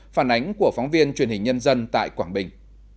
phản ánh của phóng viên truyền hình nhân dân tại quảng bình